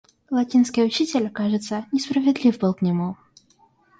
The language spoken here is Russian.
Латинский учитель, кажется, несправедлив был к нему.